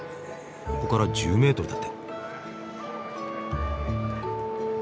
ここから１０メートルだって。